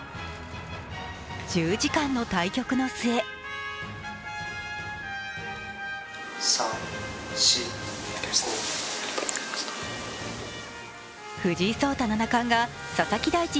１０時間の対局の末藤井聡太七冠が佐々木大地